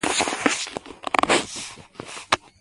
دوی وویل چې جاپان بری موندلی.